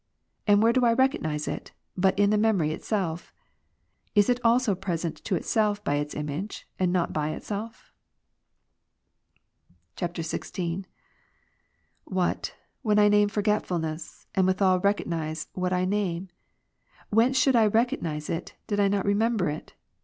And where do I recognize it, but in the memory itself ? Is it also present to itself by its image, and not by itself? [XVI.] 24. What, when I name forgetfulness, and withal recognize what I name ? whence should I recognize it, did I not rem&mber it